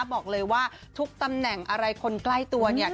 บอกเลยว่าทุกตำแหน่งอะไรคนใกล้ตัวเนี่ย